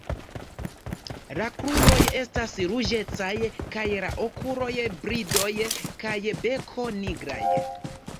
La kruroj estas ruĝecaj kaj la okuloj, bridoj kaj beko nigraj.